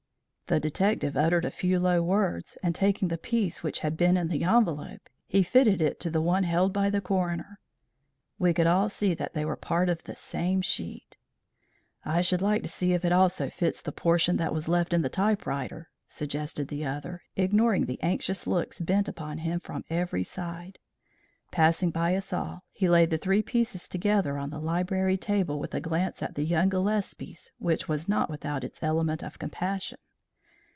The detective uttered a few low words, and taking the piece which had been in the envelope he fitted it to the one held by the coroner. We could all see that they were part of the same sheet. "I should like to see if it also fits the portion that was left in the typewriter," suggested the other, ignoring the anxious looks bent upon him from every side. Passing by us all, he laid the three pieces together on the library table with a glance at the young Gillespies which was not without its element of compassion.